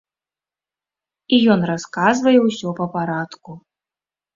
І ён расказвае ўсё па парадку.